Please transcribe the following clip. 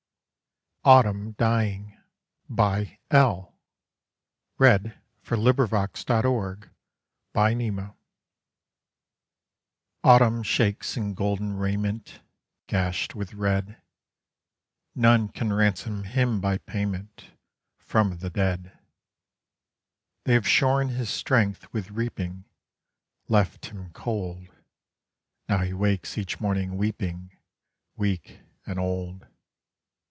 AUTUMN DYING AUTUMN shakes in golden raiment, Gashed with red; None can ransom him by payment From the dead. They have shorn his strength with reaping, Left him cold; Now he wakes each morning weeping, Weak and old.